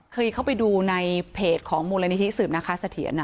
เคยเข้าไปดูในเพจของมูลนิธิสืบนะคะเสถียร